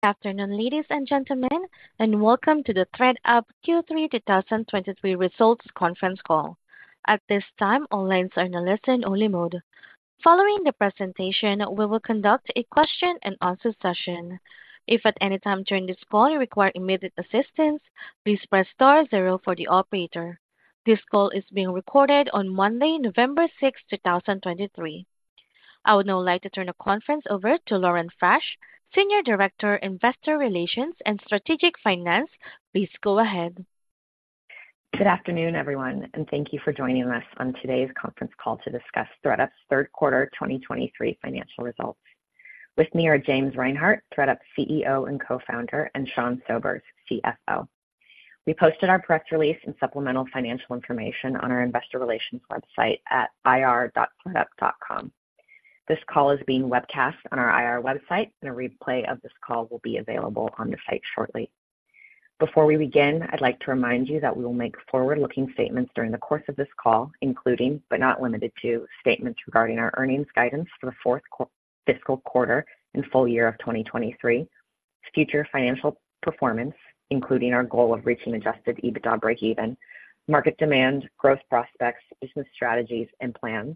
Good afternoon, ladies and gentlemen, and welcome to the ThredUp Q3 2023 Results Conference Call. At this time, all lines are in a listen-only mode. Following the presentation, we will conduct a question-and-answer session. If, at any time during this call you require immediate assistance, please press star zero for the operator. This call is being recorded on Monday, November 6th, 2023. I would now like to turn the conference over to Lauren Frasch, Senior Director, Investor Relations and Strategic Finance. Please go ahead. Good afternoon, everyone, and thank you for joining us on today's conference call to discuss ThredUp's Q3 2023 financial results. With me are James Reinhart, ThredUp's CEO and co-founder, and Sean Sobers, CFO. We posted our press release and supplemental financial information on our investor relations website at ir.thredup.com. This call is being webcast on our IR website, and a replay of this call will be available on the site shortly. Before we begin, I'd like to remind you that we will make forward-looking statements during the course of this call, including, but not limited to, statements regarding our earnings guidance for the fourth fiscal quarter and full year of 2023, future financial performance, including our goal of reaching adjusted EBITDA breakeven, market demand, growth prospects, business strategies and plans,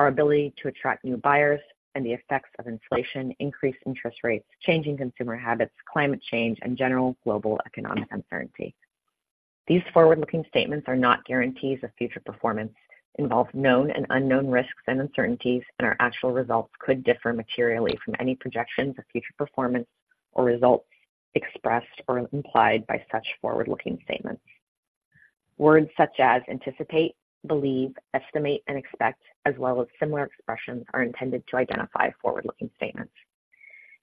our ability to attract new buyers, and the effects of inflation, increased interest rates, changing consumer habits, climate change, and general global economic uncertainty. These forward-looking statements are not guarantees of future performance, involve known and unknown risks and uncertainties, and our actual results could differ materially from any projections of future performance or results expressed or implied by such forward-looking statements. Words such as anticipate, believe, estimate, and expect, as well as similar expressions, are intended to identify forward-looking statements.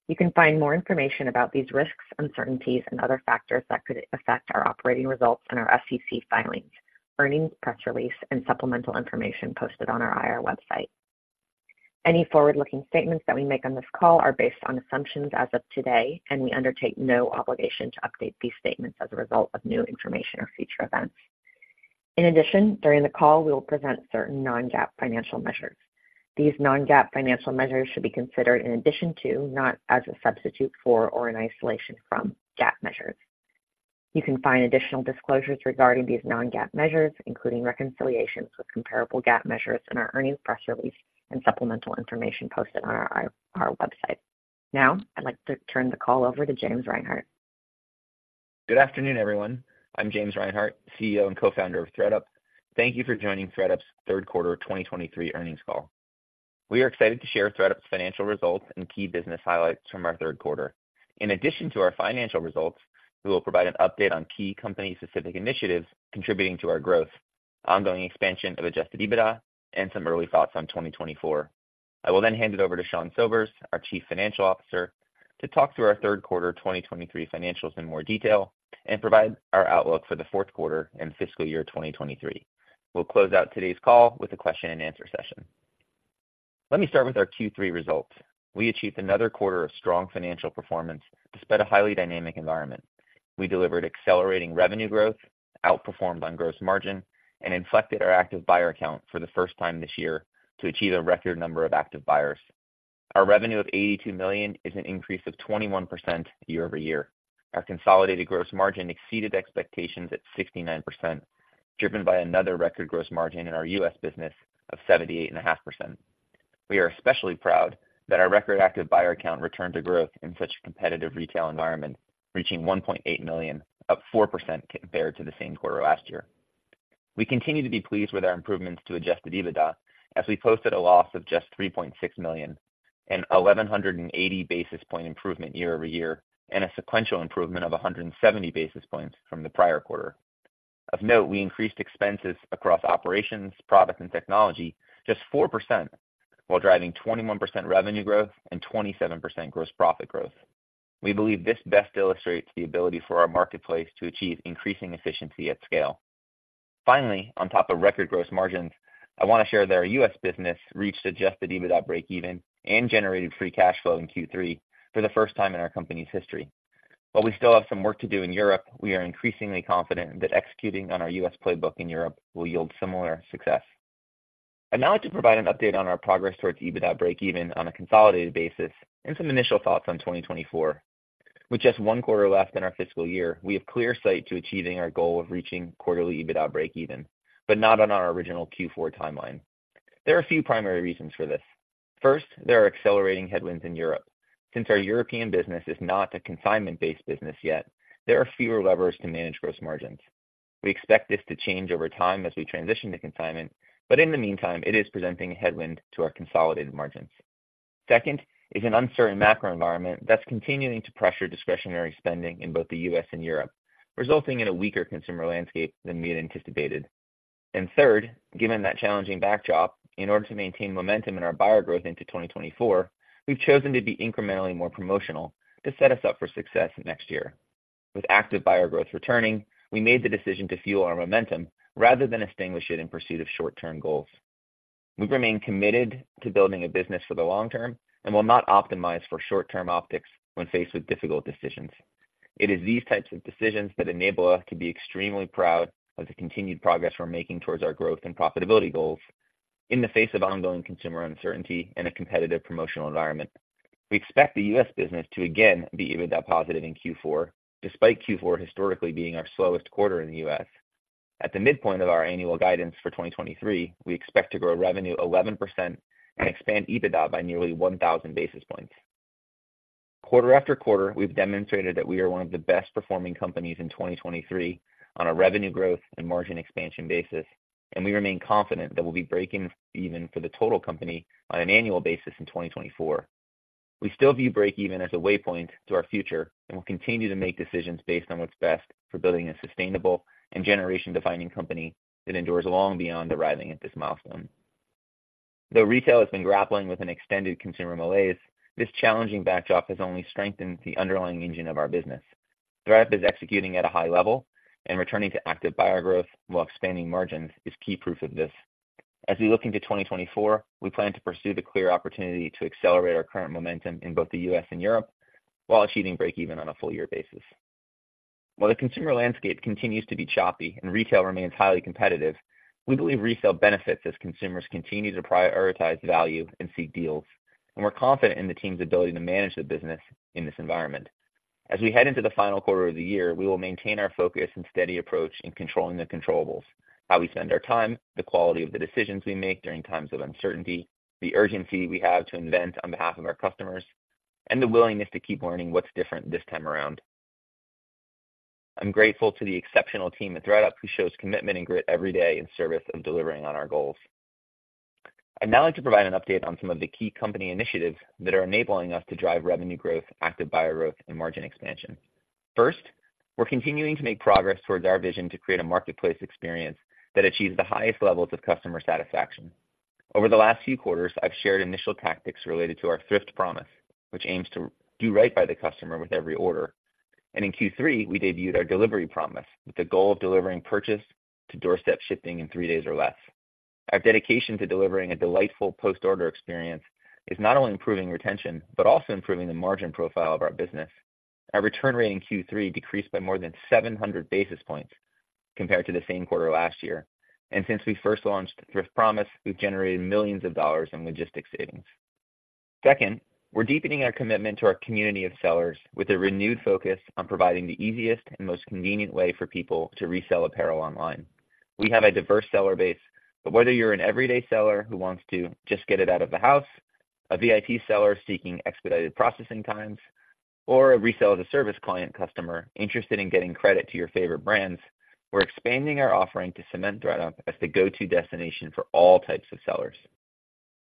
You can find more information about these risks, uncertainties, and other factors that could affect our operating results in our SEC filings, earnings press release, and supplemental information posted on our IR website. Any forward-looking statements that we make on this call are based on assumptions as of today, and we undertake no obligation to update these statements as a result of new information or future events. In addition, during the call, we will present certain non-GAAP financial measures. These non-GAAP financial measures should be considered in addition to, not as a substitute for, or in isolation from GAAP measures. You can find additional disclosures regarding these non-GAAP measures, including reconciliations with comparable GAAP measures in our earnings press release and supplemental information posted on our website. Now, I'd like to turn the call over to James Reinhart. Good afternoon, everyone. I'm James Reinhart, CEO and co-founder of ThredUp. Thank you for joining ThredUp's Q3 2023 earnings call. We are excited to share ThredUp's financial results and key business highlights from our Q3. In addition to our financial results, we will provide an update on key company-specific initiatives contributing to our growth, ongoing expansion of adjusted EBITDA, and some early thoughts on 2024. I will then hand it over to Sean Sobers, our Chief Financial Officer, to talk through our Q3 2023 financials in more detail and provide our outlook for the Q4 and fiscal year 2023. We'll close out today's call with a question-and-answer session. Let me start with our Q3 results. We achieved another quarter of strong financial performance despite a highly dynamic environment. We delivered accelerating revenue growth, outperformed on gross margin, and inflected our active buyer count for the first time this year to achieve a record number of active buyers. Our revenue of $82 million is an increase of 21% year-over-year. Our consolidated gross margin exceeded expectations at 69%, driven by another record gross margin in our U.S. business of 78.5%. We are especially proud that our record active buyer count returned to growth in such a competitive retail environment, reaching 1.8 million, up 4% compared to the same quarter last year. We continue to be pleased with our improvements to Adjusted EBITDA, as we posted a loss of just $3.6 million, an 1,180 basis point improvement year-over-year, and a sequential improvement of 170 basis points from the prior quarter. Of note, we increased expenses across operations, product, and technology just 4%, while driving 21% revenue growth and 27% gross profit growth. We believe this best illustrates the ability for our marketplace to achieve increasing efficiency at scale. Finally, on top of record gross margins, I want to share that our US business reached adjusted EBITDA breakeven and generated free cash flow in Q3 for the first time in our company's history. While we still have some work to do in Europe, we are increasingly confident that executing on our US playbook in Europe will yield similar success. I'd now like to provide an update on our progress towards EBITDA breakeven on a consolidated basis and some initial thoughts on 2024. With just one quarter left in our fiscal year, we have clear sight to achieving our goal of reaching quarterly EBITDA breakeven, but not on our original Q4 timeline. There are a few primary reasons for this. First, there are accelerating headwinds in Europe. Since our European business is not a consignment-based business yet, there are fewer levers to manage gross margins. We expect this to change over time as we transition to consignment, but in the meantime, it is presenting a headwind to our consolidated margins. Second, is an uncertain macro environment that's continuing to pressure discretionary spending in both the U.S. and Europe, resulting in a weaker consumer landscape than we had anticipated. And third, given that challenging backdrop, in order to maintain momentum in our buyer growth into 2024, we've chosen to be incrementally more promotional to set us up for success next year. With active buyer growth returning, we made the decision to fuel our momentum rather than extinguish it in pursuit of short-term goals. We've remained committed to building a business for the long term and will not optimize for short-term optics when faced with difficult decisions... It is these types of decisions that enable us to be extremely proud of the continued progress we're making towards our growth and profitability goals in the face of ongoing consumer uncertainty and a competitive promotional environment. We expect the U.S. business to again be EBITDA positive in Q4, despite Q4 historically being our slowest quarter in the U.S. At the midpoint of our annual guidance for 2023, we expect to grow revenue 11% and expand EBITDA by nearly one thousand basis points. Quarter after quarter, we've demonstrated that we are one of the best performing companies in 2023 on a revenue growth and margin expansion basis, and we remain confident that we'll be breaking even for the total company on an annual basis in 2024. We still view break even as a way point to our future, and we'll continue to make decisions based on what's best for building a sustainable and generation-defining company that endures long beyond arriving at this milestone. Though retail has been grappling with an extended consumer malaise, this challenging backdrop has only strengthened the underlying engine of our business. ThredUp is executing at a high level and returning to active buyer growth while expanding margins, is key proof of this. As we look into 2024, we plan to pursue the clear opportunity to accelerate our current momentum in both the U.S. and Europe, while achieving break even on a full year basis. While the consumer landscape continues to be choppy and retail remains highly competitive, we believe resale benefits as consumers continue to prioritize value and seek deals, and we're confident in the team's ability to manage the business in this environment. As we head into the final quarter of the year, we will maintain our focus and steady approach in controlling the controllables, how we spend our time, the quality of the decisions we make during times of uncertainty, the urgency we have to invent on behalf of our customers, and the willingness to keep learning what's different this time around. I'm grateful to the exceptional team at ThredUp, who shows commitment and grit every day in service of delivering on our goals. I'd now like to provide an update on some of the key company initiatives that are enabling us to drive revenue growth, active buyer growth, and margin expansion. First, we're continuing to make progress towards our vision to create a marketplace experience that achieves the highest levels of customer satisfaction. Over the last few quarters, I've shared initial tactics related to our Thrift Promise, which aims to do right by the customer with every order. In Q3, we debuted our delivery promise with the goal of delivering purchase to doorstep shipping in three days or less. Our dedication to delivering a delightful post-order experience is not only improving retention, but also improving the margin profile of our business. Our return rate in Q3 decreased by more than 700 basis points compared to the same quarter last year, and since we first launched Thrift Promise, we've generated $ millions in logistics savings. Second, we're deepening our commitment to our community of sellers with a renewed focus on providing the easiest and most convenient way for people to resell apparel online. We have a diverse seller base, but whether you're an everyday seller who wants to just get it out of the house, a VIP seller seeking expedited processing times, or a Resale-as-a-Service client customer interested in getting credit to your favorite brands, we're expanding our offering to cement ThredUp as the go-to destination for all types of sellers.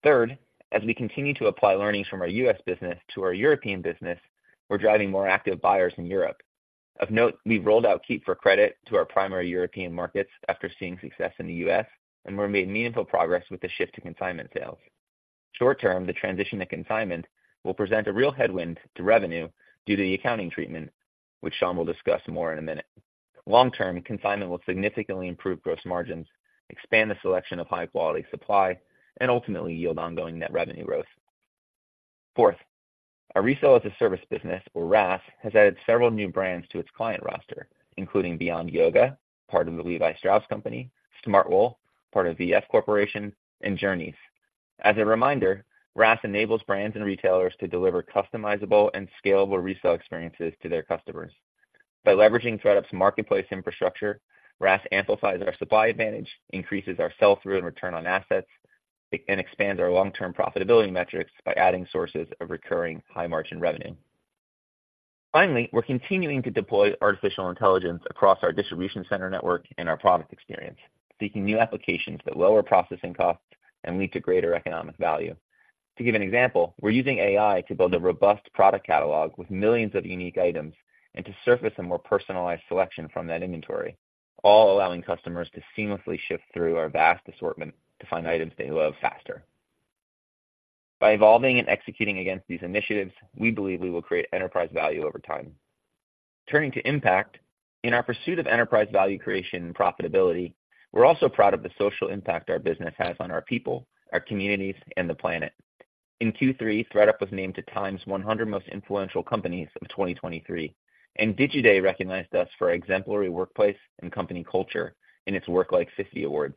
Third, as we continue to apply learnings from our U.S. business to our European business, we're driving more active buyers in Europe. Of note, we've rolled out Keep for Credit to our primary European markets after seeing success in the US, and we've made meaningful progress with the shift to consignment sales. Short-term, the transition to consignment will present a real headwind to revenue due to the accounting treatment, which Sean will discuss more in a minute. Long-term, consignment will significantly improve gross margins, expand the selection of high-quality supply, and ultimately yield ongoing net revenue growth. Fourth, our Resale-as-a-Service business, or RaaS, has added several new brands to its client roster, including Beyond Yoga, part of Levi Strauss & Co., Smartwool, part of VF Corporation, and Journeys. As a reminder, RaaS enables brands and retailers to deliver customizable and scalable resale experiences to their customers. By leveraging ThredUp's marketplace infrastructure, RaaS amplifies our supply advantage, increases our sell through and return on assets, and expands our long-term profitability metrics by adding sources of recurring high margin revenue. Finally, we're continuing to deploy artificial intelligence across our distribution center network and our product experience, seeking new applications that lower processing costs and lead to greater economic value. To give an example, we're using AI to build a robust product catalog with millions of unique items, and to surface a more personalized selection from that inventory, all allowing customers to seamlessly shift through our vast assortment to find items they love faster. By evolving and executing against these initiatives, we believe we will create enterprise value over time. Turning to impact. In our pursuit of enterprise value creation and profitability, we're also proud of the social impact our business has on our people, our communities, and the planet. In Q3, ThredUp was named to TIME's 100 Most Influential Companies of 2023, and Digiday recognized us for exemplary workplace and company culture in its WorkLife 50 Awards.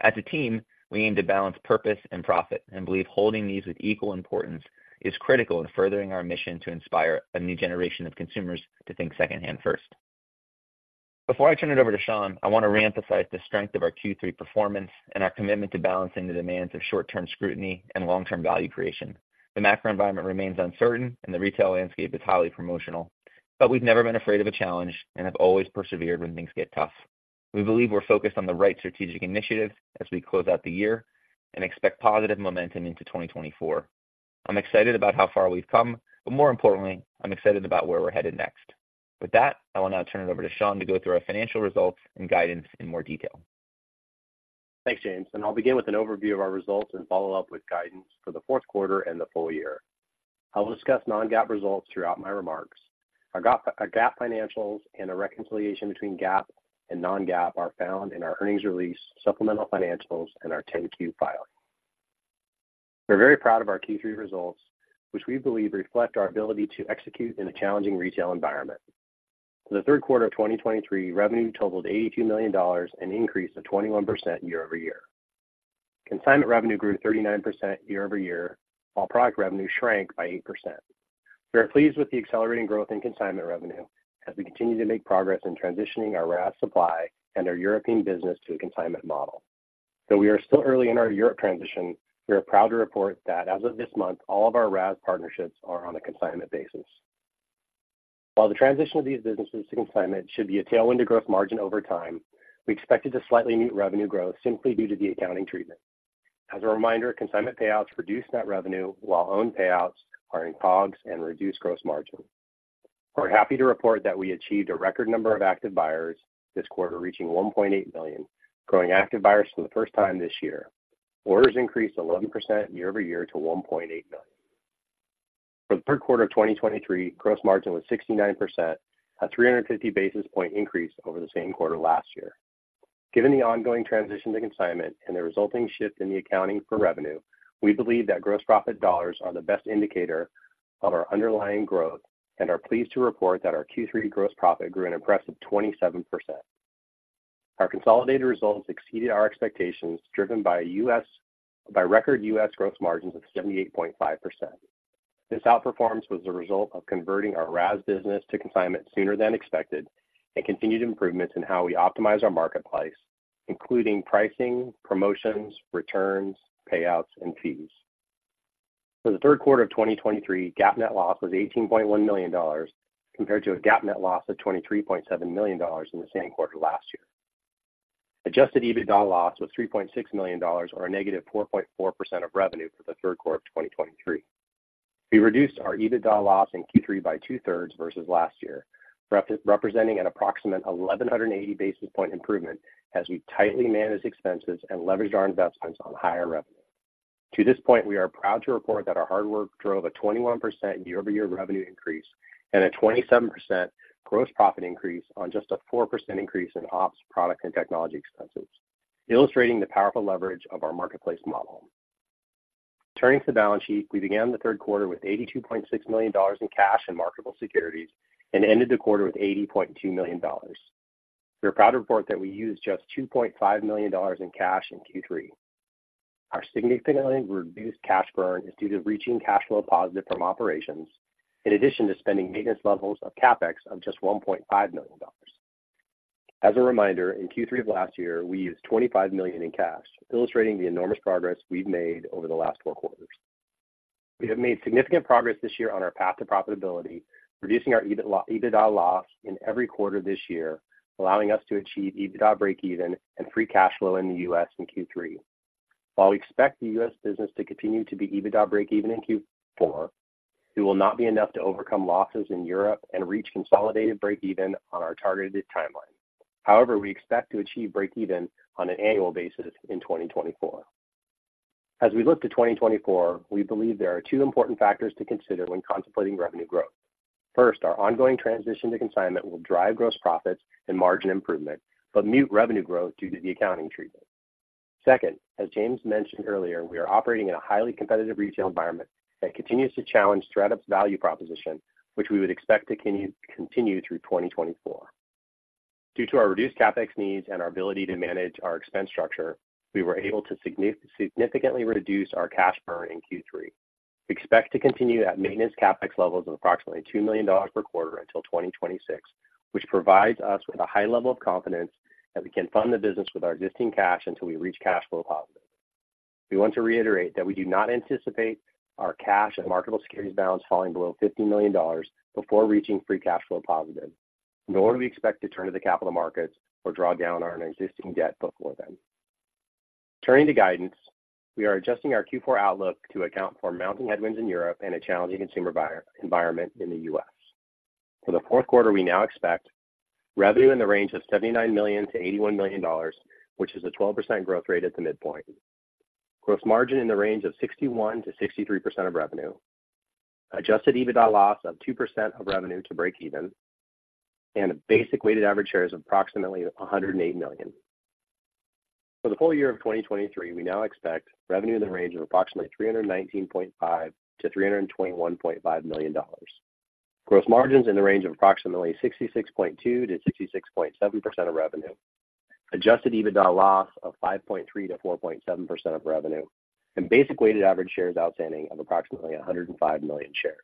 As a team, we aim to balance purpose and profit and believe holding these with equal importance is critical in furthering our mission to inspire a new generation of consumers to think secondhand first. Before I turn it over to Sean, I want to reemphasize the strength of our Q3 performance and our commitment to balancing the demands of short-term scrutiny and long-term value creation. The macro environment remains uncertain, and the retail landscape is highly promotional, but we've never been afraid of a challenge and have always persevered when things get tough. We believe we're focused on the right strategic initiatives as we close out the year and expect positive momentum into 2024. I'm excited about how far we've come, but more importantly, I'm excited about where we're headed next. With that, I will now turn it over to Sean to go through our financial results and guidance in more detail. Thanks, James, and I'll begin with an overview of our results and follow up with guidance for the Q4 and the full year. I will discuss non-GAAP results throughout my remarks. Our GAAP financials and a reconciliation between GAAP and non-GAAP are found in our earnings release, supplemental financials, and our 10-Q filing. We're very proud of our Q3 results, which we believe reflect our ability to execute in a challenging retail environment. For the Q3 of 2023, revenue totaled $82 million, an increase of 21% year-over-year. Consignment revenue grew 39% year-over-year, while product revenue shrank by 8%. We are pleased with the accelerating growth in consignment revenue as we continue to make progress in transitioning our RaaS supply and our European business to a consignment model. Though we are still early in our Europe transition, we are proud to report that as of this month, all of our RaaS partnerships are on a consignment basis. While the transition of these businesses to consignment should be a tailwind to growth margin over time, we expect it to slightly mute revenue growth simply due to the accounting treatment. As a reminder, consignment payouts reduce net revenue, while own payouts are in COGS and reduce gross margin. We're happy to report that we achieved a record number of active buyers this quarter, reaching 1.8 million, growing active buyers for the first time this year. Orders increased 11% year-over-year to 1.8 million. For the Q3 of 2023, gross margin was 69%, a 350 basis point increase over the same quarter last year. Given the ongoing transition to consignment and the resulting shift in the accounting for revenue, we believe that gross profit dollars are the best indicator of our underlying growth and are pleased to report that our Q3 gross profit grew an impressive 27%. Our consolidated results exceeded our expectations, driven by record US gross margins of 78.5%. This outperformance was a result of converting our RaaS business to consignment sooner than expected and continued improvements in how we optimize our marketplace, including pricing, promotions, returns, payouts, and fees. For the Q3 of 2023, GAAP net loss was $18.1 million, compared to a GAAP net loss of $23.7 million in the same quarter last year. Adjusted EBITDA loss was $3.6 million, or a -4.4% of revenue for the Q3 of 2023. We reduced our EBITDA loss in Q3 by two-thirds versus last year, representing an approximate 1,180 basis point improvement, as we tightly managed expenses and leveraged our investments on higher revenue. To this point, we are proud to report that our hard work drove a 21% year-over-year revenue increase and a 27% gross profit increase on just a 4% increase in ops, product, and technology expenses, illustrating the powerful leverage of our marketplace model. Turning to the balance sheet, we began the Q3 with $82.6 million in cash and marketable securities and ended the quarter with $80.2 million. We are proud to report that we used just $2.5 million in cash in Q3. Our significantly reduced cash burn is due to reaching cash flow positive from operations, in addition to spending maintenance levels of CapEx of just $1.5 million. As a reminder, in Q3 of last year, we used $25 million in cash, illustrating the enormous progress we've made over the last four quarters. We have made significant progress this year on our path to profitability, reducing our EBIT- EBITDA loss in every quarter this year, allowing us to achieve EBITDA breakeven and free cash flow in the US in Q3. While we expect the US business to continue to be EBITDA breakeven in Q4, it will not be enough to overcome losses in Europe and reach consolidated breakeven on our targeted timeline. However, we expect to achieve breakeven on an annual basis in 2024. As we look to 2024, we believe there are two important factors to consider when contemplating revenue growth. First, our ongoing transition to consignment will drive gross profits and margin improvement, but mute revenue growth due to the accounting treatment. Second, as James mentioned earlier, we are operating in a highly competitive retail environment that continues to challenge ThredUp's value proposition, which we would expect to continue through 2024. Due to our reduced CapEx needs and our ability to manage our expense structure, we were able to significantly reduce our cash burn in Q3. We expect to continue at maintenance CapEx levels of approximately $2 million per quarter until 2026, which provides us with a high level of confidence that we can fund the business with our existing cash until we reach cash flow positive. We want to reiterate that we do not anticipate our cash and marketable securities balance falling below $50 million before reaching free cash flow positive, nor do we expect to turn to the capital markets or draw down on our existing debt before then. Turning to guidance, we are adjusting our Q4 outlook to account for mounting headwinds in Europe and a challenging consumer buyer environment in the US. For the Q4, we now expect revenue in the range of $79 million-$81 million, which is a 12% growth rate at the midpoint. Gross margin in the range of 61%-63% of revenue, adjusted EBITDA loss of 2% of revenue to breakeven, and a basic weighted average shares of approximately 108 million. For the full year of 2023, we now expect revenue in the range of approximately $319.5 million-$321.5 million. Gross margins in the range of approximately 66.2%-66.7% of revenue, adjusted EBITDA loss of 5.3%-4.7% of revenue, and basic weighted average shares outstanding of approximately 105 million shares.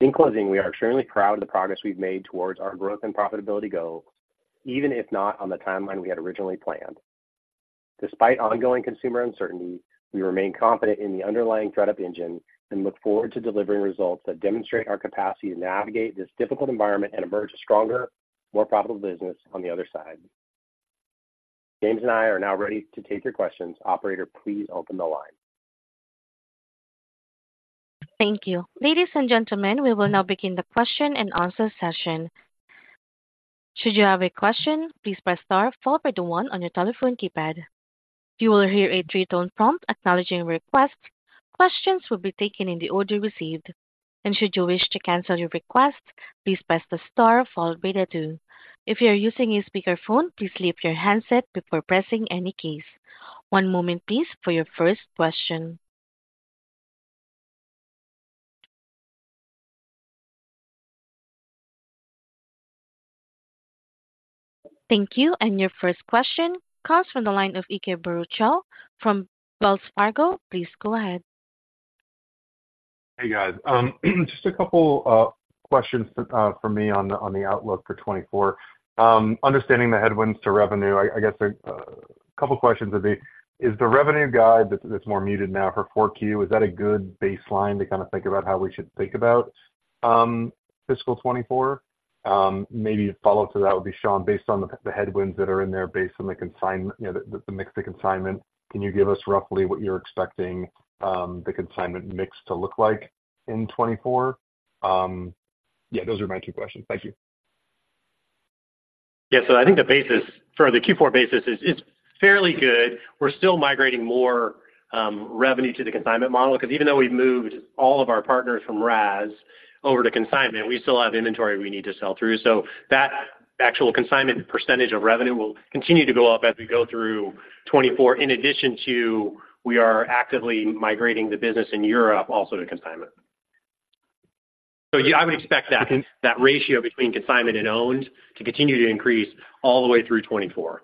In closing, we are extremely proud of the progress we've made towards our growth and profitability goals, even if not on the timeline we had originally planned. Despite ongoing consumer uncertainty, we remain confident in the underlying ThredUp engine and look forward to delivering results that demonstrate our capacity to navigate this difficult environment and emerge a stronger, more profitable business on the other side. James and I are now ready to take your questions. Operator, please open the line. Thank you. Ladies and gentlemen, we will now begin the question and answer session. Should you have a question, please press star followed by the one on your telephone keypad. You will hear a three-tone prompt acknowledging your request.... Questions will be taken in the order received, and should you wish to cancel your request, please press the star followed by the two. If you are using a speakerphone, please leave your handset before pressing any keys. One moment, please, for your first question. Thank you, and your first question comes from the line of Ike Boruchow from Wells Fargo. Please go ahead. Hey, guys. Just a couple questions from me on the outlook for 2024. Understanding the headwinds to revenue, I guess there a couple questions would be: Is the revenue guide that's more muted now for Q4, is that a good baseline to kind of think about how we should think about fiscal 2024? Maybe a follow-up to that would be, Sean, based on the headwinds that are in there, based on the consignment, you know, the mix of consignment, can you give us roughly what you're expecting the consignment mix to look like in 2024? Yeah, those are my two questions. Thank you. Yeah. So I think the basis for the Q4 basis is it's fairly good. We're still migrating more revenue to the consignment model, because even though we've moved all of our partners from RaaS over to consignment, we still have inventory we need to sell through. So that actual consignment percentage of revenue will continue to go up as we go through 2024. In addition to, we are actively migrating the business in Europe also to consignment. So, yeah, I would expect that, that ratio between consignment and owned to continue to increase all the way through 2024.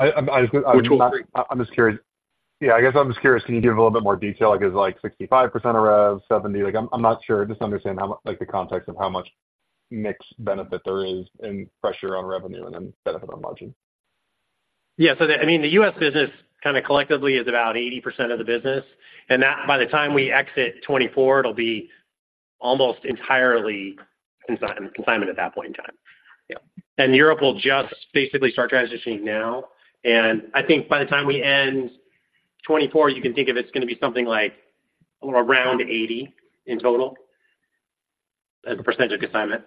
I, I was gonna- Which will not- I'm just curious. Yeah, I guess I'm just curious, can you give a little bit more detail? Like, is it, like, 65% of rev, 70? Like, I'm not sure. Just understand how, like, the context of how much mix benefit there is and pressure on revenue and then benefit on margin. Yeah. So, I mean, the U.S. business kinda collectively is about 80% of the business, and that by the time we exit 2024, it'll be almost entirely consignment at that point in time. Yeah. And Europe will just basically start transitioning now, and I think by the time we end 2024, you can think of it's gonna be something like around 80 in total, as a percentage of consignment.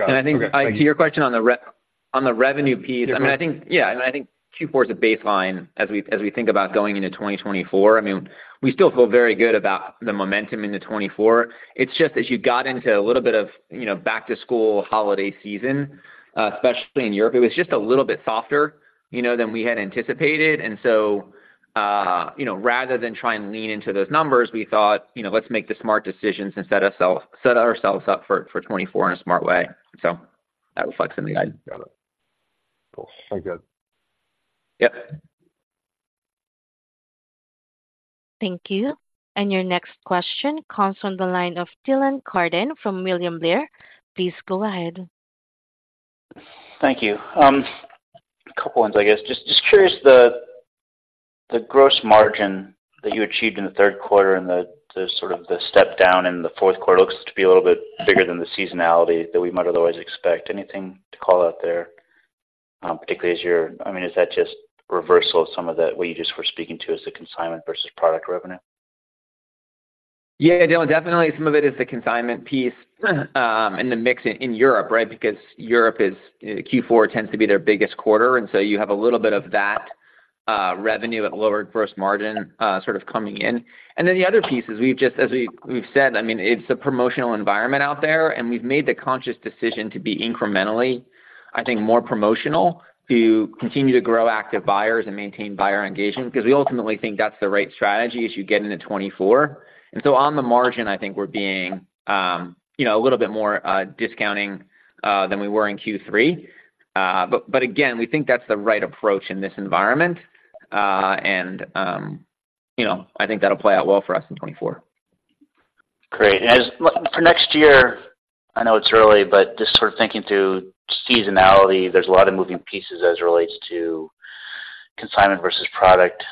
And I think to your question on the revenue piece, I mean, I think... Yeah, I mean, I think Q4 is a baseline as we, as we think about going into 2024. I mean, we still feel very good about the momentum into 2024. It's just as you got into a little bit of, you know, back to school holiday season, especially in Europe, it was just a little bit softer, you know, than we had anticipated. And so, you know, rather than try and lean into those numbers, we thought, you know, let's make the smart decisions and set ourselves, set ourselves up for 2024 in a smart way. So that reflects in the guide. Got it. Cool. Thank you. Yep. Thank you. Your next question comes from the line of Dylan Carden from William Blair. Please go ahead. Thank you. A couple ones, I guess. Just curious, the gross margin that you achieved in the Q3 and the sort of step down in the Q4 looks to be a little bit bigger than the seasonality that we might otherwise expect. Anything to call out there, particularly as you're, I mean, is that just reversal of some of the what you just were speaking to, as the consignment versus product revenue? Yeah, Dylan, definitely some of it is the consignment piece, and the mix in Europe, right? Because Europe is. Q4 tends to be their biggest quarter, and so you have a little bit of that revenue at lower gross margin sort of coming in. And then the other piece is, as we've said, I mean, it's a promotional environment out there, and we've made the conscious decision to be incrementally, I think, more promotional to continue to grow active buyers and maintain buyer engagement. Because we ultimately think that's the right strategy as you get into 2024. And so on the margin, I think we're being, you know, a little bit more discounting than we were in Q3. But again, we think that's the right approach in this environment. You know, I think that'll play out well for us in 2024. Great. For next year, I know it's early, but just sort of thinking through seasonality, there's a lot of moving pieces as it relates to consignment versus product.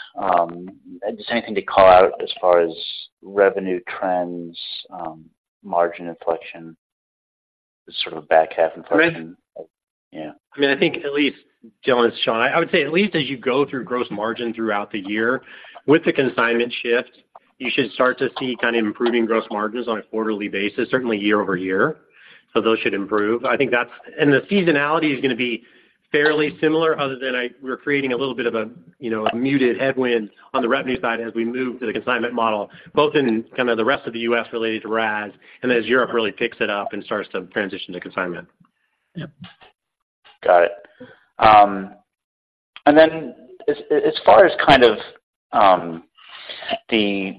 Just anything to call out as far as revenue trends, margin inflection, sort of back half inflection? Yeah. I mean, I think at least, Dylan, Sean, I would say at least as you go through gross margin throughout the year, with the consignment shift, you should start to see kind of improving gross margins on a quarterly basis, certainly year-over-year. So those should improve. I think that's... And the seasonality is gonna be fairly similar, other than we're creating a little bit of a, you know, a muted headwind on the revenue side as we move to the consignment model, both in kind of the rest of the U.S. related to RaaS, and then as Europe really picks it up and starts to transition to consignment. Yep. Got it. And then as far as kind of the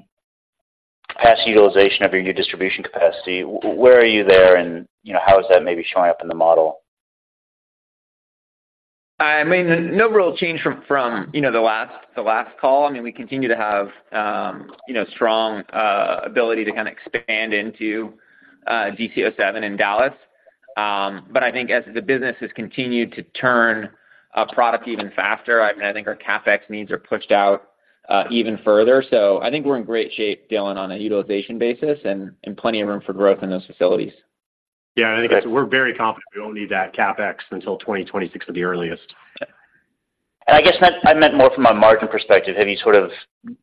capacity utilization of your new distribution capacity, where are you there? And, you know, how is that maybe showing up in the model? I mean, no real change from you know, the last call. I mean, we continue to have, you know, strong ability to kind of expand into DC07 in Dallas. But I think as the business has continued to turn product even faster, I mean, I think our CapEx needs are pushed out even further. So I think we're in great shape, Dylan, on a utilization basis and plenty of room for growth in those facilities. Yeah, I think we're very confident we won't need that CapEx until 2026 at the earliest. I guess I meant more from a margin perspective. Have you sort of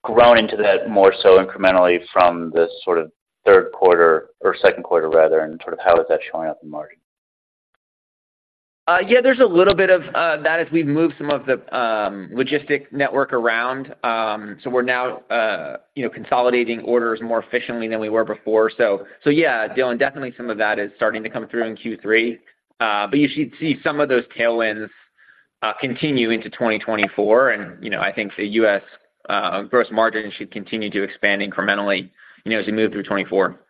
grown into that more so incrementally from the sort of Q3 or Q2, rather, and sort of how is that showing up in margin?... Yeah, there's a little bit of that as we've moved some of the logistics network around. So we're now, you know, consolidating orders more efficiently than we were before. So yeah, Dylan, definitely some of that is starting to come through in Q3. But you should see some of those tailwinds continue into 2024, and, you know, I think the U.S. gross margin should continue to expand incrementally, you know, as we move through 2024.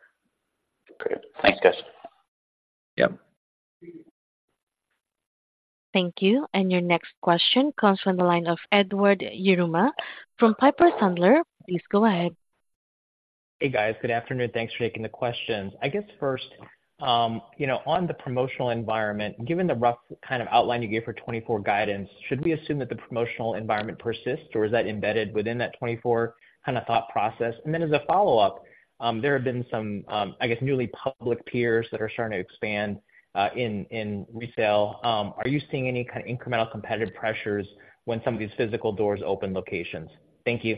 Great. Thanks, guys. Yep. Thank you. Your next question comes from the line of Edward Yruma from Piper Sandler. Please go ahead. Hey, guys. Good afternoon. Thanks for taking the questions. I guess first, you know, on the promotional environment, given the rough kind of outline you gave for 2024 guidance, should we assume that the promotional environment persists, or is that embedded within that 2024 kind of thought process? And then as a follow-up, there have been some, I guess, newly public peers that are starting to expand in resale. Are you seeing any kind of incremental competitive pressures when some of these physical doors open locations? Thank you.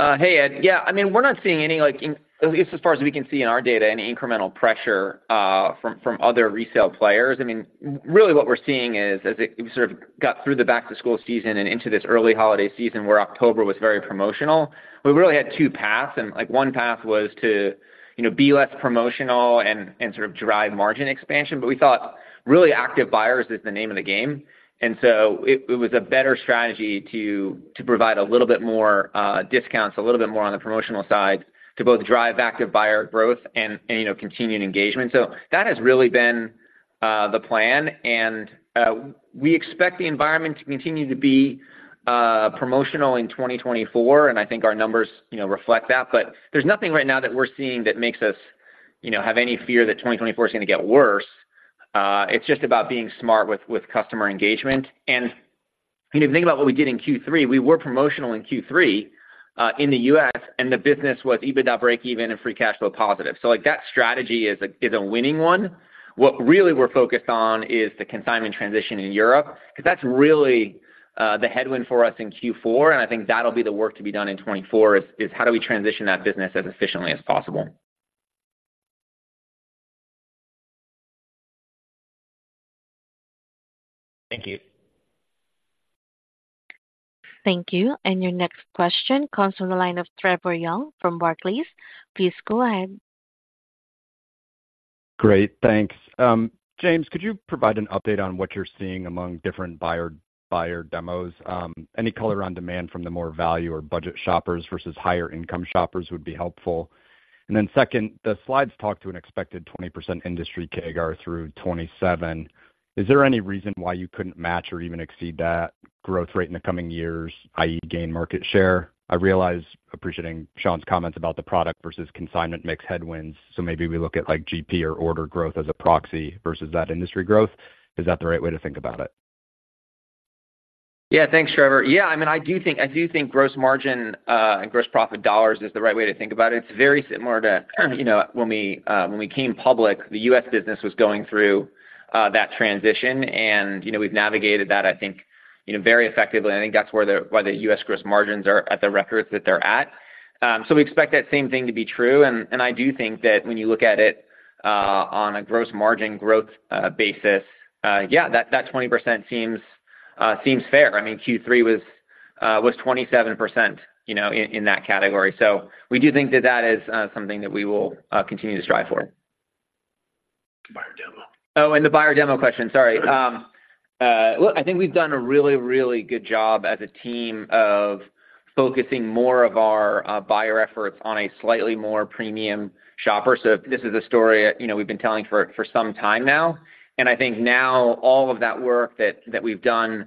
Hey, Ed. Yeah, I mean, we're not seeing any, like, at least as far as we can see in our data, any incremental pressure from other resale players. I mean, really, what we're seeing is, as we sort of got through the back-to-school season and into this early holiday season, where October was very promotional, we really had two paths. Like, one path was to, you know, be less promotional and sort of drive margin expansion. But we thought really active buyers is the name of the game, and so it was a better strategy to provide a little bit more discounts, a little bit more on the promotional side, to both drive active buyer growth and, you know, continuing engagement. So that has really been the plan, and we expect the environment to continue to be promotional in 2024, and I think our numbers, you know, reflect that. But there's nothing right now that we're seeing that makes us, you know, have any fear that 2024 is gonna get worse. It's just about being smart with customer engagement. And, you know, think about what we did in Q3. We were promotional in Q3 in the U.S., and the business was EBITDA breakeven and free cash flow positive. So, like, that strategy is a winning one. What really we're focused on is the consignment transition in Europe, 'cause that's really the headwind for us in Q4, and I think that'll be the work to be done in 2024, is how do we transition that business as efficiently as possible? Thank you. Thank you. And your next question comes from the line of Trevor Young from Barclays. Please go ahead. Great. Thanks. James, could you provide an update on what you're seeing among different buyer demos? Any color on demand from the more value or budget shoppers versus higher income shoppers would be helpful. And then second, the slides talk to an expected 20% industry CAGR through 2027. Is there any reason why you couldn't match or even exceed that growth rate in the coming years, i.e., gain market share? I realize, appreciating Sean's comments about the product versus consignment mix headwinds, so maybe we look at, like, GP or order growth as a proxy versus that industry growth. Is that the right way to think about it? Yeah. Thanks, Trevor. Yeah, I mean, I do think, I do think gross margin and gross profit dollars is the right way to think about it. It's very similar to, you know, when we, when we came public, the U.S. business was going through that transition, and, you know, we've navigated that, I think, you know, very effectively. I think that's where the—why the U.S. gross margins are at the records that they're at. So we expect that same thing to be true, and, and I do think that when you look at it on a gross margin growth basis, yeah, that, that 20% seems, seems fair. I mean, Q3 was, was 27%, you know, in, in that category. So we do think that that is something that we will continue to strive for. Buyer demo. Oh, and the buyer demo question, sorry. Look, I think we've done a really, really good job as a team of focusing more of our buyer efforts on a slightly more premium shopper. So this is a story, you know, we've been telling for some time now, and I think now all of that work that we've done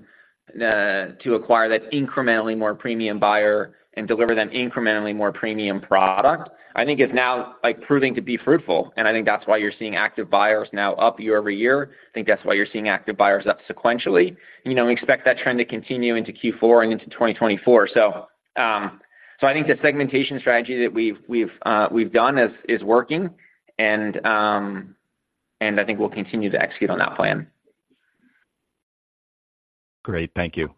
to acquire that incrementally more premium buyer and deliver them incrementally more premium product, I think is now, like, proving to be fruitful. And I think that's why you're seeing active buyers now up year-over-year. I think that's why you're seeing active buyers up sequentially. You know, we expect that trend to continue into Q4 and into 2024. I think the segmentation strategy that we've done is working, and I think we'll continue to execute on that plan. Great. Thank you.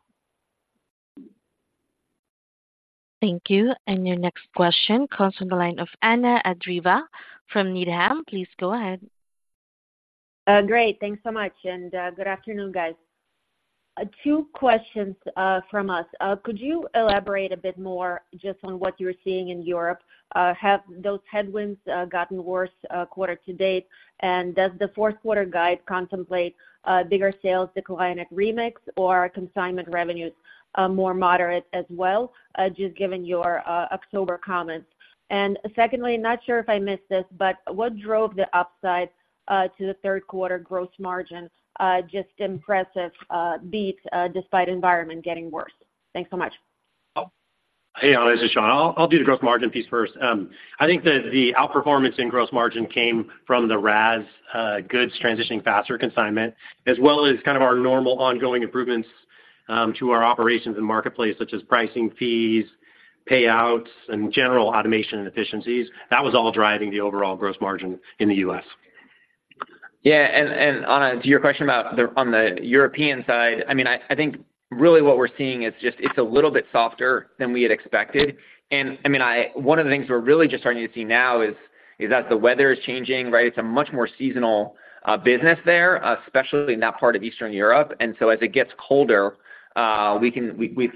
Thank you. Your next question comes from the line of Anna Andreeva from Needham. Please go ahead. Great. Thanks so much, and good afternoon, guys. Two questions from us. Could you elaborate a bit more just on what you're seeing in Europe? Have those headwinds gotten worse quarter to date? And does the Q4 guide contemplate bigger sales decline at Remix or consignment revenues more moderate as well just given your October comments? And secondly, not sure if I missed this, but what drove the upside to the Q3 gross margin? Just impressive beat despite environment getting worse. Thanks so much. Hey, Anna, this is Sean. I'll do the gross margin piece first. I think that the outperformance in gross margin came from the RaaS goods transitioning faster consignment, as well as kind of our normal ongoing improvements to our operations and marketplace, such as pricing, fees, payouts, and general automation and efficiencies. That was all driving the overall gross margin in the US.... Yeah, and Anna, to your question about the, on the European side, I mean, I think really what we're seeing is just it's a little bit softer than we had expected. And I mean, one of the things we're really just starting to see now is that the weather is changing, right? It's a much more seasonal business there, especially in that part of Eastern Europe. And so as it gets colder, we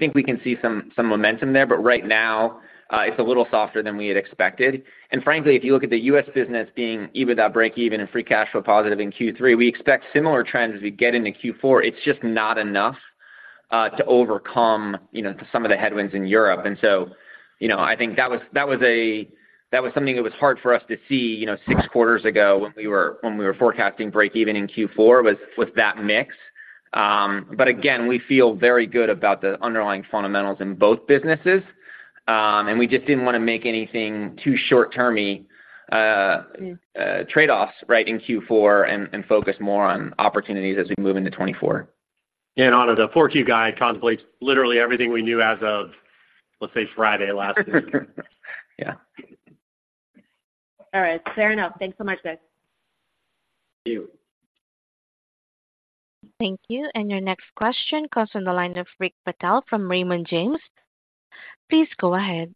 think we can see some momentum there, but right now, it's a little softer than we had expected. And frankly, if you look at the U.S. business being EBITDA breakeven and free cash flow positive in Q3, we expect similar trends as we get into Q4. It's just not enough to overcome, you know, some of the headwinds in Europe. And so, you know, I think that was something that was hard for us to see, you know, six quarters ago when we were forecasting breakeven in Q4 with that mix. But again, we feel very good about the underlying fundamentals in both businesses, and we just didn't want to make anything too short-term-y trade-offs, right, in Q4 and focus more on opportunities as we move into 2024. The Q4 guidance contemplates literally everything we knew as of, let's say, Friday last week. Yeah. All right. Fair enough. Thanks so much, guys. Thank you. Thank you. And your next question comes from the line of Rick Patel from Raymond James. Please go ahead.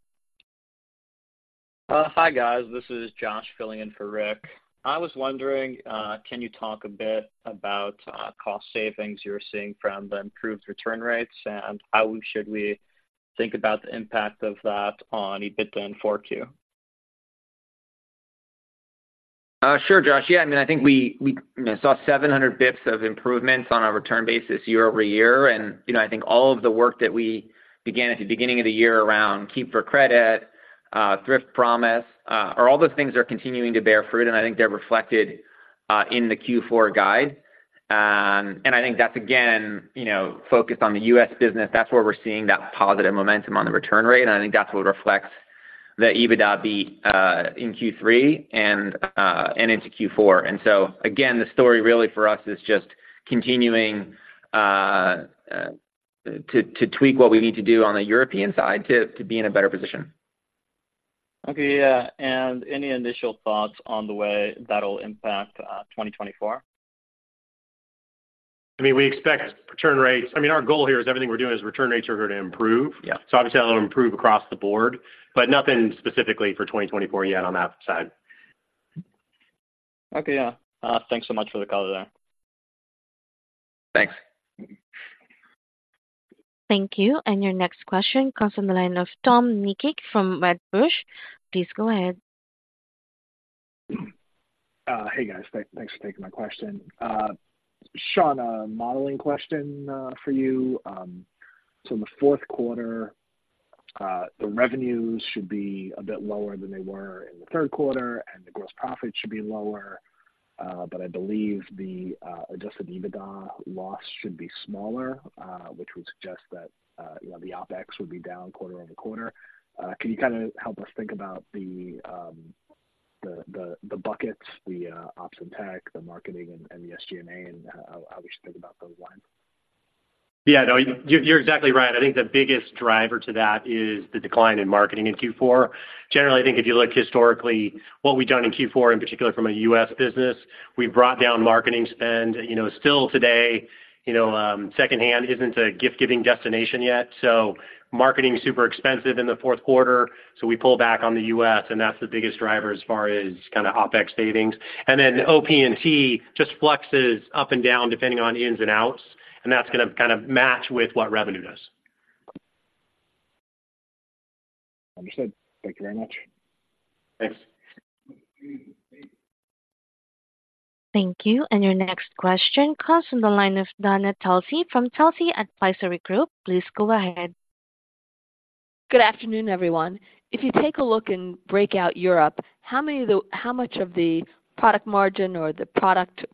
Hi, guys. This is Josh filling in for Rick. I was wondering, can you talk a bit about, cost savings you're seeing from the improved return rates, and how should we think about the impact of that on EBITDA in 4Q? Sure, Josh. Yeah, I mean, I think we saw 700 bps of improvements on our return basis year-over-year. And, you know, I think all of the work that we began at the beginning of the year around Keep for Credit, Thrift Promise, are all those things are continuing to bear fruit, and I think they're reflected in the Q4 guide. And I think that's, again, you know, focused on the US business. That's where we're seeing that positive momentum on the return rate, and I think that's what reflects the EBITDA beat in Q3 and into Q4. And so again, the story really for us is just continuing to tweak what we need to do on the European side to be in a better position. Okay, yeah, and any initial thoughts on the way that'll impact, 2024? I mean, we expect return rates... I mean, our goal here is everything we're doing is return rates are going to improve. Yeah. Obviously, that'll improve across the board, but nothing specifically for 2024 yet on that side. Okay, yeah. Thanks so much for the call today. Thanks. Thank you. Your next question comes from the line of Tom Nikic from Wedbush. Please go ahead. Hey, guys, thanks for taking my question. Sean, a modeling question, for you. So in the Q4, the revenues should be a bit lower than they were in the Q3, and the gross profit should be lower. But I believe the Adjusted EBITDA loss should be smaller, which would suggest that, you know, the OpEx would be down quarter-over-quarter. Can you help us think about the buckets, the ops and tech, the marketing and the SG&A, and how we should think about those lines? Yeah, no, you're exactly right. I think the biggest driver to that is the decline in marketing in Q4. Generally, I think if you look historically, what we've done in Q4, in particular from a US business, we've brought down marketing spend. You know, still today, you know, secondhand isn't a gift-giving destination yet, so marketing is super expensive in the Q4, so we pull back on the US, and that's the biggest driver as far as kind of OpEx savings. And then OpEx just fluxes up and down, depending on ins and outs, and that's going to kind of match with what revenue does. Understood. Thank you very much. Thanks. Thank you. And your next question comes from the line of Dana Telsey from Telsey Advisory Group. Please go ahead. Good afternoon, everyone. If you take a look and break out Europe, how much of the product margin or the product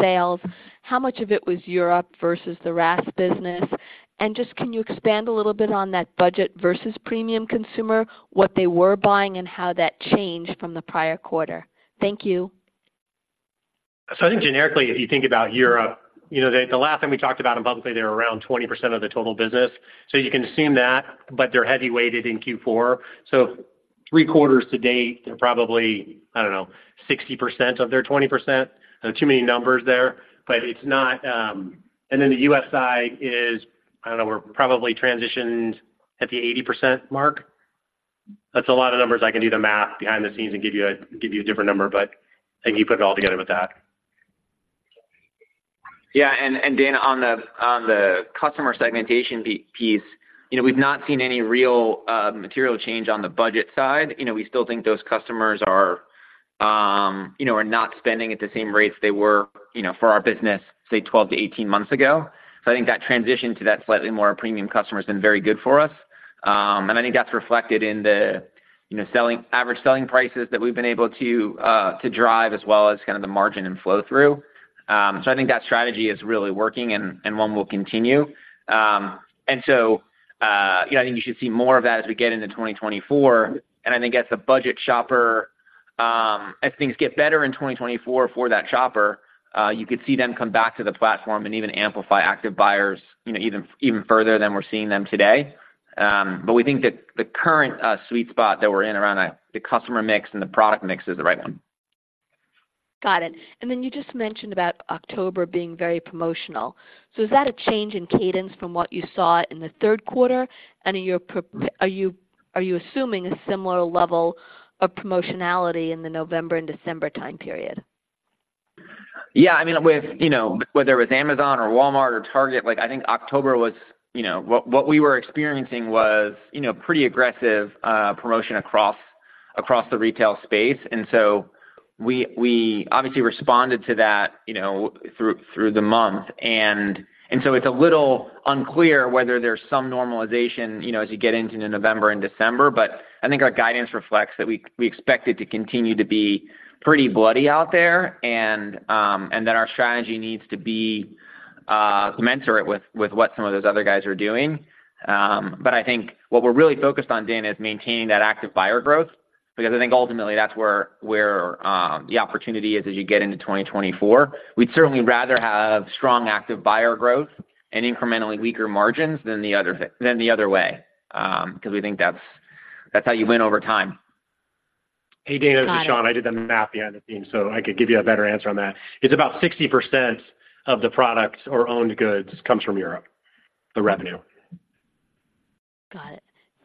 sales, how much of it was Europe versus the RaaS business? And just can you expand a little bit on that budget versus premium consumer, what they were buying and how that changed from the prior quarter? Thank you. So I think generically, if you think about Europe, you know, the last time we talked about them publicly, they were around 20% of the total business. So you can assume that, but they're heavy weighted in Q4. So three quarters to date, they're probably, I don't know, 60% of their 20%. There are too many numbers there, but it's not. And then the US side is, I don't know, we're probably transitioned at the 80% mark. That's a lot of numbers. I can do the math behind the scenes and give you a different number, but I think you put it all together with that. Yeah, and Dana, on the customer segmentation piece, you know, we've not seen any real material change on the budget side. You know, we still think those customers are not spending at the same rates they were, you know, for our business, say, 12-18 months ago. So I think that transition to that slightly more premium customer has been very good for us. And I think that's reflected in the average selling prices that we've been able to drive, as well as kind of the margin and flow-through. So I think that strategy is really working and one we'll continue. And so, you know, I think you should see more of that as we get into 2024. I think as the budget shopper, as things get better in 2024 for that shopper, you could see them come back to the platform and even amplify active buyers, you know, even further than we're seeing them today. But we think that the current sweet spot that we're in around the customer mix and the product mix is the right one. Got it. And then you just mentioned about October being very promotional. So is that a change in cadence from what you saw in the Q3? And are you assuming a similar level of promotionality in the November and December time period? Yeah, I mean, with, you know, whether it's Amazon or Walmart or Target, like, I think October was, you know... What, what we were experiencing was, you know, pretty aggressive promotion across, across the retail space. And so we, we obviously responded to that, you know, through, through the month. And, and so it's a little unclear whether there's some normalization, you know, as you get into November and December. But I think our guidance reflects that we, we expect it to continue to be pretty bloody out there, and that our strategy needs to be commensurate with, with what some of those other guys are doing. But I think what we're really focused on, Dana, is maintaining that active buyer growth, because I think ultimately that's where, where the opportunity is as you get into 2024. We'd certainly rather have strong active buyer growth and incrementally weaker margins than the other way, because we think that's how you win over time. Hey, Dana, it's Sean. I did the math behind the scenes, so I could give you a better answer on that. It's about 60% of the products or owned goods comes from Europe, the revenue. Got it.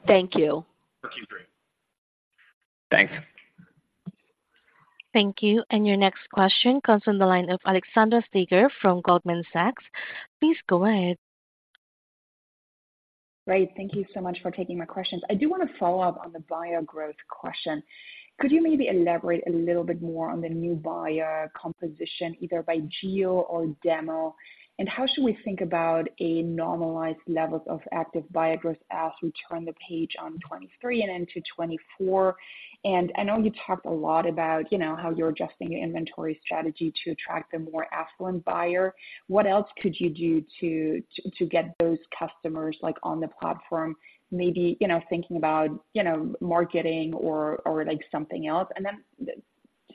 Thank you. For Q3. Thanks. Thank you. Your next question comes from the line of Alexandra Steiger from Goldman Sachs. Please go ahead. Great, thank you so much for taking my questions. I do want to follow up on the buyer growth question. Could you maybe elaborate a little bit more on the new buyer composition, either by geo or demo? And how should we think about a normalized level of active buyer growth as we turn the page on 2023 and into 2024? And I know you talked a lot about, you know, how you're adjusting your inventory strategy to attract a more affluent buyer. What else could you do to get those customers, like, on the platform, maybe, you know, thinking about, you know, marketing or, or, like, something else? And then the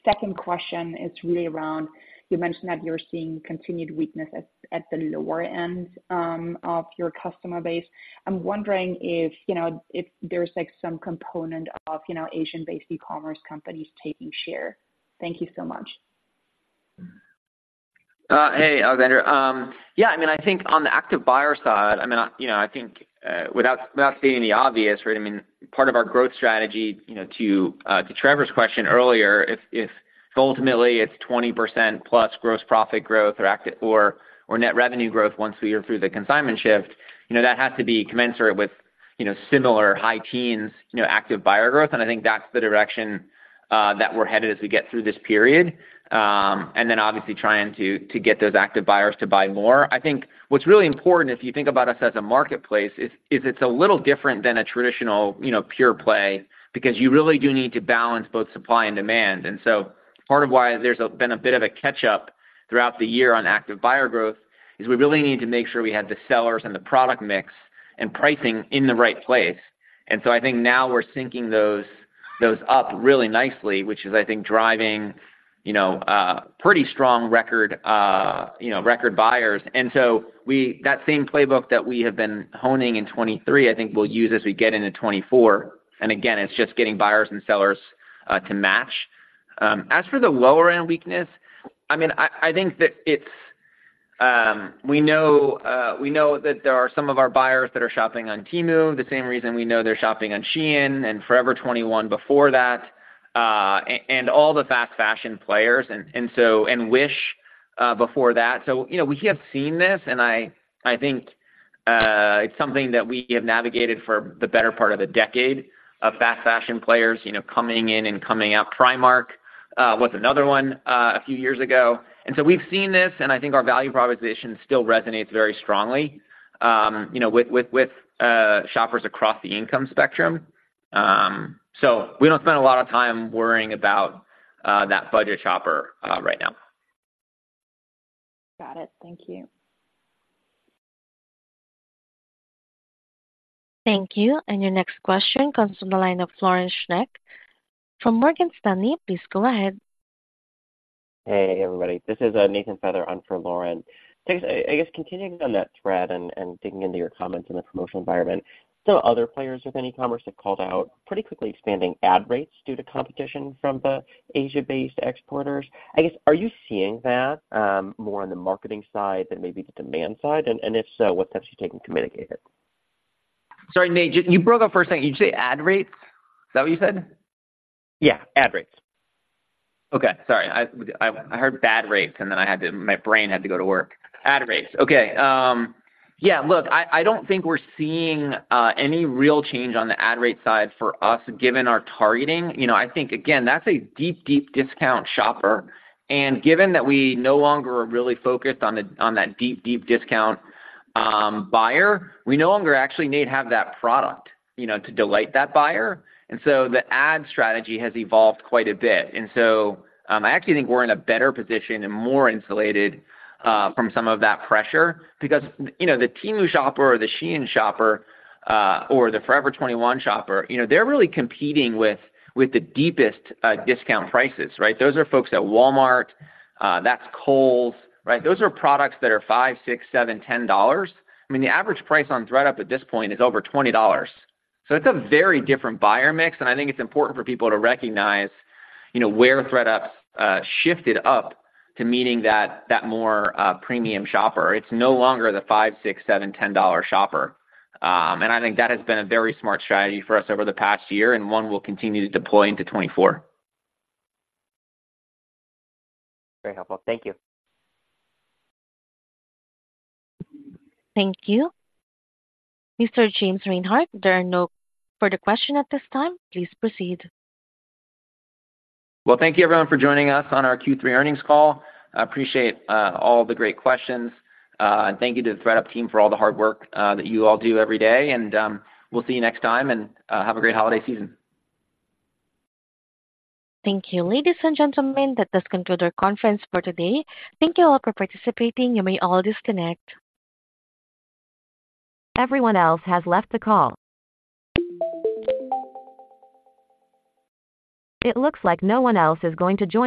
second question is really around, you mentioned that you're seeing continued weakness at the lower end of your customer base. I'm wondering if, you know, if there's, like, some component of, you know, Asian-based e-commerce companies taking share? Thank you so much. Hey, Alexandra. Yeah, I mean, I think on the active buyer side, I mean, you know, I think, without stating the obvious, right, I mean, part of our growth strategy, you know, to Trevor's question earlier, if ultimately it's 20%+ gross profit growth or active-- or net revenue growth once we are through the consignment shift, you know, that has to be commensurate with, you know, similar high teens, you know, active buyer growth, and I think that's the direction that we're headed as we get through this period. And then obviously trying to get those active buyers to buy more. I think what's really important, if you think about us as a marketplace, is it's a little different than a traditional, you know, pure play, because you really do need to balance both supply and demand. And so part of why there's been a bit of a catch-up throughout the year on active buyer growth is we really need to make sure we have the sellers and the product mix and pricing in the right place. And so I think now we're syncing those up really nicely, which is, I think, driving, you know, pretty strong record, you know, record buyers. And so we... That same playbook that we have been honing in 2023, I think we'll use as we get into 2024. And again, it's just getting buyers and sellers to match. As for the lower-end weakness, I mean, I think that it's, we know, we know that there are some of our buyers that are shopping on Temu, the same reason we know they're shopping on Shein and Forever 21 before that, and all the fast fashion players, and, and so, and Wish, before that. So, you know, we have seen this, and I, I think, it's something that we have navigated for the better part of a decade, of fast fashion players, you know, coming in and coming out. Primark was another one, a few years ago. And so we've seen this, and I think our value proposition still resonates very strongly, you know, with, with, with, shoppers across the income spectrum. We don't spend a lot of time worrying about that budget shopper right now. Got it. Thank you. Thank you. And your next question comes from the line of Lauren Schenk from Morgan Stanley. Please go ahead. Hey, everybody. This is Nathan Feather on for Lauren. I guess, continuing on that thread and digging into your comments in the promotional environment, some other players within e-commerce have called out pretty quickly expanding ad rates due to competition from the Asia-based exporters. I guess, are you seeing that more on the marketing side than maybe the demand side? And if so, what steps are you taking to mitigate it? Sorry, Nate, you broke up first thing. Did you say ad rates? Is that what you said? Yeah, ad rates. Okay. Sorry, I heard bad rates, and then I had to, my brain had to go to work. Ad rates, okay. Yeah, look, I don't think we're seeing any real change on the ad rate side for us, given our targeting. You know, I think, again, that's a deep, deep discount shopper, and given that we no longer are really focused on that deep, deep discount buyer, we no longer actually need to have that product, you know, to delight that buyer. And so the ad strategy has evolved quite a bit. And so, I actually think we're in a better position and more insulated from some of that pressure because, you know, the Temu shopper or the Shein shopper, or the Forever 21 shopper, you know, they're really competing with the deepest discount prices, right? Those are folks at Walmart, that's Kohl's, right? Those are products that are $5, $6, $7, $10. I mean, the average price on ThredUp at this point is over $20. So it's a very different buyer mix, and I think it's important for people to recognize, you know, where ThredUp shifted up to meeting that, that more premium shopper. It's no longer the $5, $6, $7, $10 shopper. And I think that has been a very smart strategy for us over the past year, and one we'll continue to deploy into 2024. Very helpful. Thank you. Thank you. Mr. James Reinhart, there are no further questions at this time. Please proceed. Well, thank you, everyone, for joining us on our Q3 earnings call. I appreciate all the great questions, and thank you to the ThredUp team for all the hard work that you all do every day. And, we'll see you next time, and, have a great holiday season. Thank you. Ladies and gentlemen, that does conclude our conference for today. Thank you all for participating. You may all disconnect. Everyone else has left the call. It looks like no one else is going to join us.